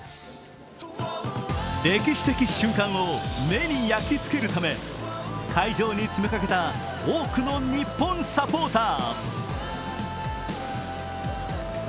歴史的瞬間を目に焼きつけるため、会場に詰めかけた多くの日本サポーター。